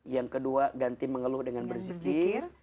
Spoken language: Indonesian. yang kedua ganti mengeluh dengan berzikir